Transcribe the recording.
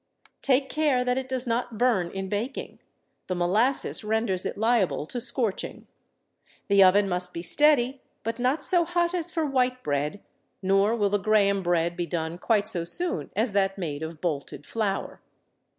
Take care that it does not burn in baking. The molasses renders it liable to scorching. The oven must be steady, but not so hot as for white bread, nor will the Graham bread be done quite so soon as that made of bolted flour.